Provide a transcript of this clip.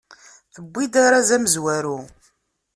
Tewwi-d arraz amezwaru.